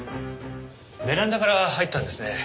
ベランダから入ったんですね。